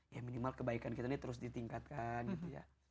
ya minimal kebaikan kita ini terus ditingkatkan gitu ya